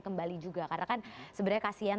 kembali juga karena kan sebenarnya kasian